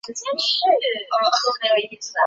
黑皮柳为杨柳科柳属下的一个种。